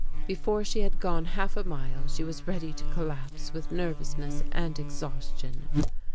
Before she had gone half a mile she was ready to collapse with nervousness and exhaustion.